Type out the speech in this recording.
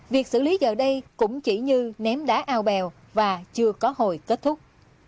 việc xử lý giờ đây cũng chỉ như ném đá ao bèo và chưa có hồi kết thúc